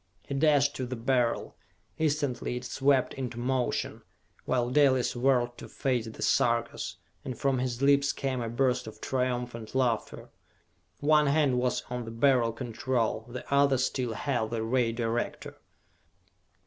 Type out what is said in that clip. He dashed to the Beryl. Instantly it swept into motion, while Dalis whirled to face the Sarkas, and from his lips came a burst of triumphant laughter. One hand was on the Beryl Control, the other still held the Ray Director.